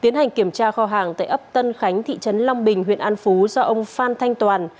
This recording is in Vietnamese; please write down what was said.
tiến hành kiểm tra kho hàng tại ấp tân khánh thị trấn long bình huyện an phú do ông phan thanh toàn